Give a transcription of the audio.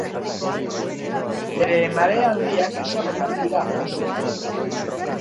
Bere marea handiak ezagunak dira oso.